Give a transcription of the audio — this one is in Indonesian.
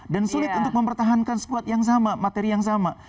dan sulit untuk mempertahankan squad yang sama materi yang sama